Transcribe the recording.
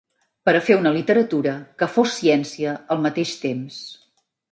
Per a fer una literatura que fos ciència al mateix temps…